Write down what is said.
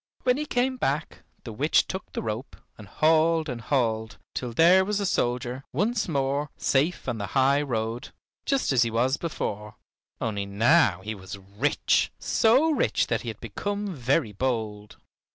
When he came back the witch took the rope and hauled and hauled, till there was the soldier, once more, safe on the high road, just as he was before, only now he was rich, so rich that he had become very bold.